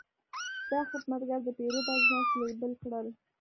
دا خدمتګر د پیرود اجناس لیبل کړل.